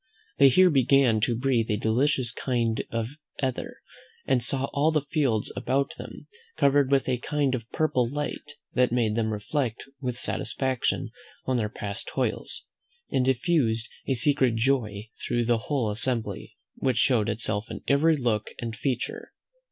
They here began to breathe a delicious kind of ether, and saw all the fields about them covered with a kind of purple light, that made them reflect with satisfaction on their past toils, and diffused a secret joy through the whole assembly, which showed itself in every look and feature.